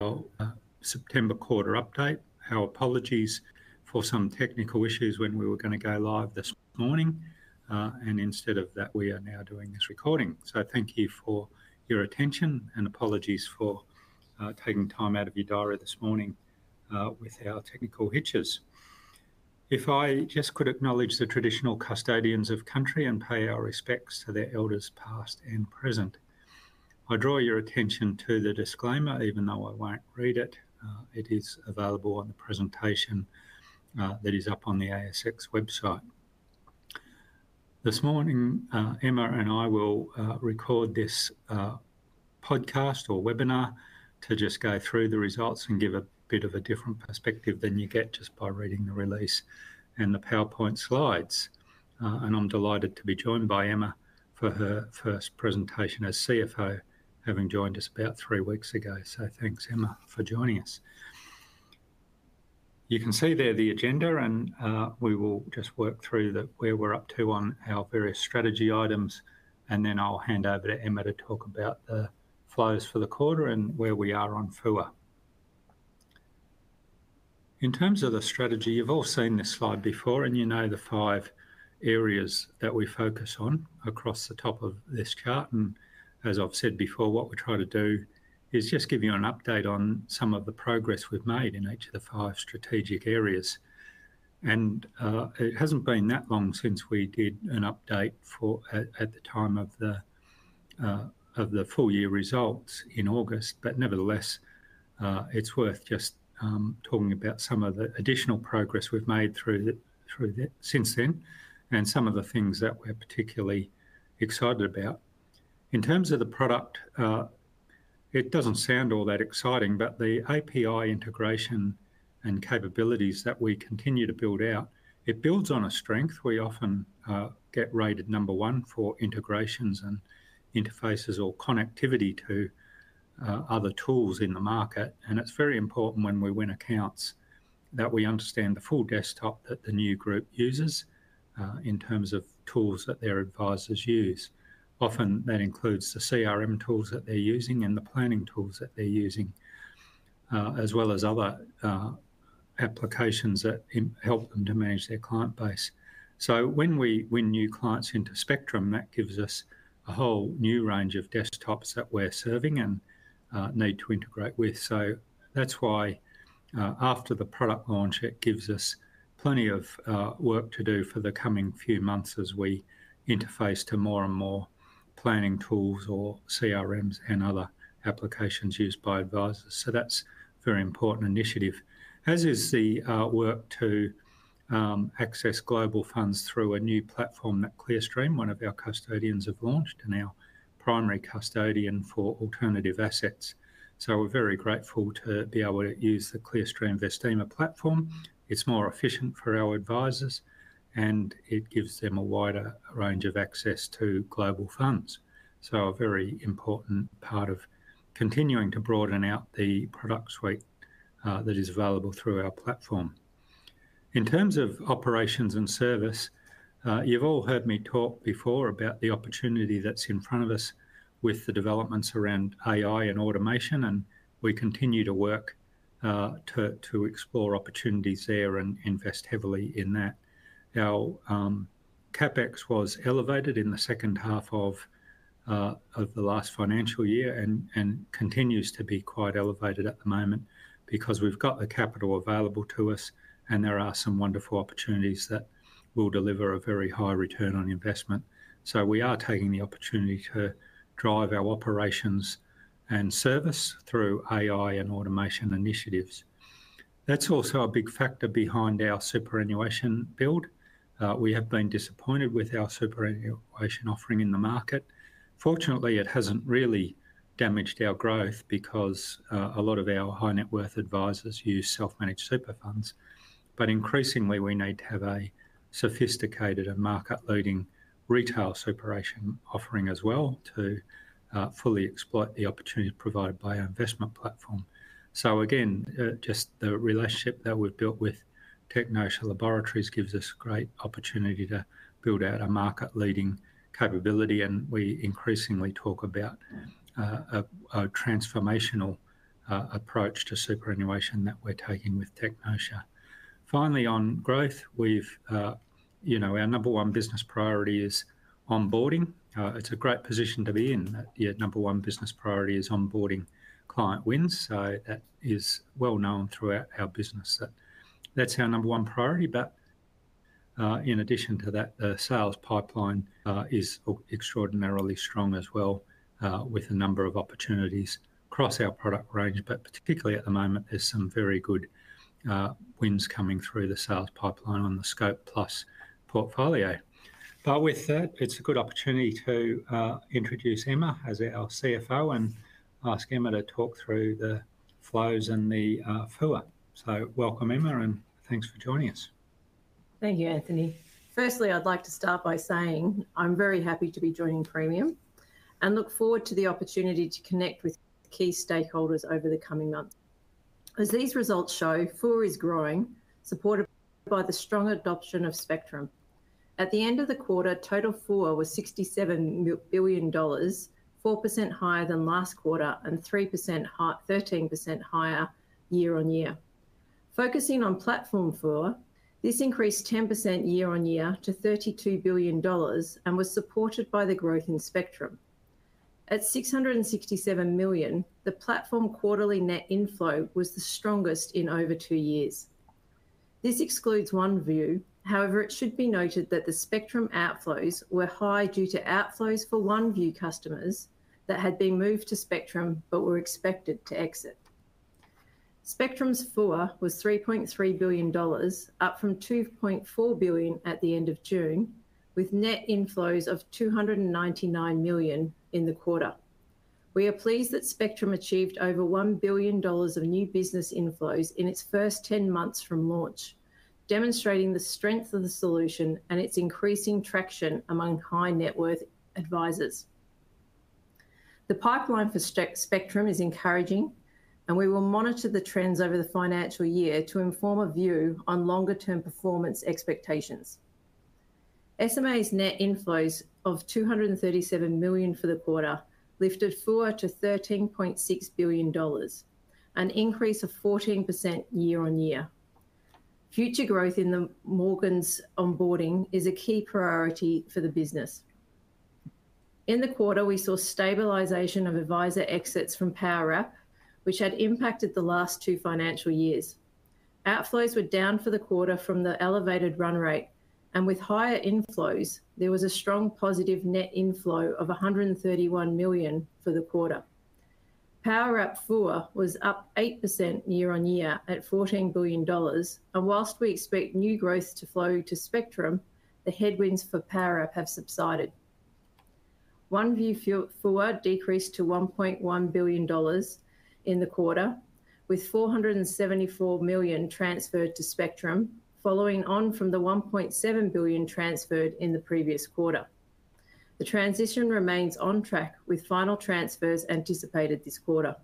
Our September quarter update. Our apologies for some technical issues when we were going to go live this morning. Instead of that, we are now doing this recording. Thank you for your attention and apologies for taking time out of your diary this morning with our technical hitches. If I just could acknowledge the traditional custodians of country and pay our respects to their elders past and present. I draw your attention to the disclaimer, even though I won't read it. It is available on the presentation that is up on the ASX website. This morning, Emma and I will record this podcast or webinar to just go through the results and give a bit of a different perspective than you get just by reading the release and the PowerPoint slides. I'm delighted to be joined by Emma for her first presentation as CFO, having joined us about three weeks ago. Thanks, Emma, for joining us. You can see there the agenda, and we will just work through where we're up to on our various strategy items. I'll hand over to Emma to talk about the flows for the quarter and where we are on FUA. In terms of the strategy, you've all seen this slide before, and you know the five areas that we focus on across the top of this chart. As I've said before, what we try to do is just give you an update on some of the progress we've made in each of the five strategic areas. It hasn't been that long since we did an update at the time of the full-year results in August. Nevertheless, it's worth just talking about some of the additional progress we've made through that since then and some of the things that we're particularly excited about. In terms of the product, it doesn't sound all that exciting, but the API integration and capabilities that we continue to build out, it builds on a strength. We often get rated number one for integrations and interfaces or connectivity to other tools in the market. It's very important when we win accounts that we understand the full desktop that the new group uses in terms of tools that their advisors use. Often, that includes the CRM tools that they're using and the planning tools that they're using, as well as other applications that help them to manage their client base. When we win new clients into Spectrum, that gives us a whole new range of desktops that we're serving and need to integrate with. That's why after the product launch, it gives us plenty of work to do for the coming few months as we interface to more and more planning tools or CRMs and other applications used by advisors. That is a very important initiative, as is the work to access global funds through a new platform that Clearstream, one of our custodians, has launched and our primary custodian for alternative assets. We are very grateful to be able to use the Clearstream Vestima platform. It's more efficient for our advisors, and it gives them a wider range of access to global funds. That is a very important part of continuing to broaden out the product suite that is available through our platform. In terms of operations and service, you've all heard me talk before about the opportunity that's in front of us with the developments around AI and automation. We continue to work to explore opportunities there and invest heavily in that. Our CapEx was elevated in the second half of the last financial year and continues to be quite elevated at the moment because we've got the capital available to us and there are some wonderful opportunities that will deliver a very high return on investment. We are taking the opportunity to drive our operations and service through AI and automation initiatives. That is also a big factor behind our superannuation build. We have been disappointed with our superannuation offering in the market. Fortunately, it hasn't really damaged our growth because a lot of our high net worth advisors use self-managed super funds. Increasingly, we need to have a sophisticated and market-leading retail superannuation offering as well to fully exploit the opportunities provided by our investment platform. Again, just the relationship that we've built with TechNotia Laboratories gives us a great opportunity to build out a market-leading capability. We increasingly talk about a transformational approach to superannuation that we're taking with TechNotia. Finally, on growth, our number one business priority is onboarding. It's a great position to be in. The number one business priority is onboarding client wins. That is well known throughout our business. That's our number one priority. In addition to that, the sales pipeline is extraordinarily strong as well with a number of opportunities across our product range. Particularly at the moment, there's some very good wins coming through the sales pipeline on the Scope+ portfolio. With that, it's a good opportunity to introduce Emma as our CFO and ask Emma to talk through the flows and the FUA. Welcome, Emma, and thanks for joining us. Thank you, Anthony. Firstly, I'd like to start by saying I'm very happy to be joining Praemium and look forward to the opportunity to connect with key stakeholders over the coming months. As these results show, FUA is growing, supported by the strong adoption of Spectrum. At the end of the quarter, total FUA was 67 billion dollars, 4% higher than last quarter and 13% higher year-on-year. Focusing on platform FUA, this increased 10% year-on-year to 32 billion dollars and was supported by the growth in Spectrum. At 667 million, the platform quarterly net inflow was the strongest in over two years. This excludes OneVue. However, it should be noted that the Spectrum outflows were high due to outflows for OneVue customers that had been moved to Spectrum but were expected to exit. Spectrum's FUA was 3.3 billion dollars, up from 2.4 billion at the end of June, with net inflows of 299 million in the quarter. We are pleased that Spectrum achieved over 1 billion dollars of new business inflows in its first 10 months from launch, demonstrating the strength of the solution and its increasing traction among high net worth advisors. The pipeline for Spectrum is encouraging, and we will monitor the trends over the financial year to inform a view on longer-term performance expectations. SMA's net inflows of 237 million for the quarter lifted FUA to 13.6 billion dollars, an increase of 14% year-on-year. Future growth in the Morgan's onboarding is a key priority for the business. In the quarter, we saw stabilization of advisor exits from PowerApp, which had impacted the last two financial years. Outflows were down for the quarter from the elevated run rate, and with higher inflows, there was a strong positive net inflow of 131 million for the quarter. PowerApp FUA was up 8% year-on-year at 14 billion dollars. Whilst we expect new growth to flow to Spectrum, the headwinds for PowerApp have subsided. OneVue FUA decreased to 1.1 billion dollars in the quarter, with 474 million transferred to Spectrum, following on from the 1.7 billion transferred in the previous quarter. The transition remains on track, with final transfers anticipated this quarter.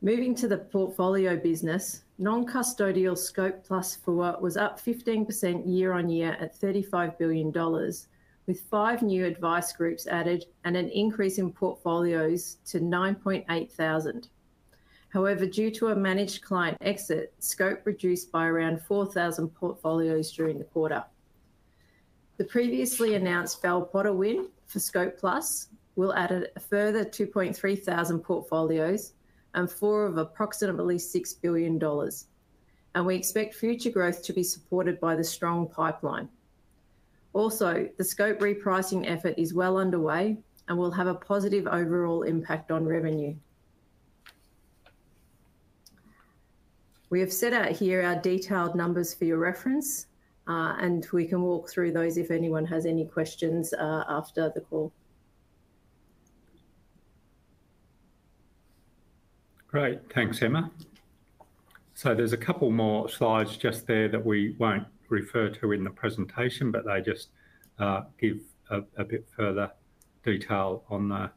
Moving to the portfolio business, non-custodial Scope+ FUA was up 15% year-on-year at 35 billion dollars, with five new advice groups added and an increase in portfolios to 9,800. However, due to a managed client exit, Scope reduced by around 4,000 portfolios during the quarter. The previously announced Bell Potter win for Scope+ will add a further 2,300 portfolios and FUA of approximately 6 billion dollars. We expect future growth to be supported by the strong pipeline. Also, the Scope repricing effort is well underway and will have a positive overall impact on revenue. We have set out here our detailed numbers for your reference, and we can walk through those if anyone has any questions after the call. Great. Thanks, Emma. There are a couple more slides just there that we won't refer to in the presentation, but they just give a bit further detail on the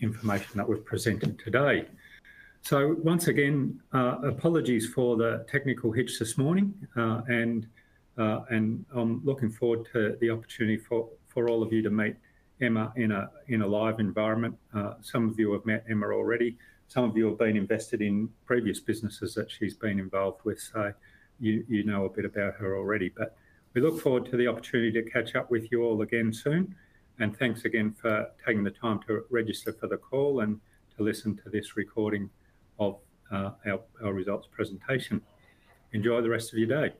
information that we've presented today. Once again, apologies for the technical hitch this morning. I'm looking forward to the opportunity for all of you to meet Emma in a live environment. Some of you have met Emma already. Some of you have been invested in previous businesses that she's been involved with, so you know a bit about her already. We look forward to the opportunity to catch up with you all again soon. Thanks again for taking the time to register for the call and to listen to this recording of our results presentation. Enjoy the rest of your day!